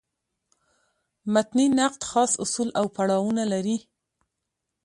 متني نقد خاص اصول او پړاوونه لري.